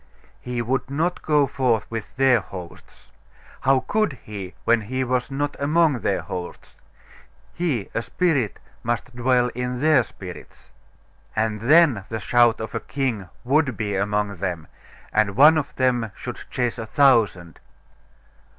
He would not go forth with their hosts. How could He, when He was not among their hosts? He, a spirit, must dwell in their spirits .... And then the shout of a king would be among them, and one of them should chase a thousand....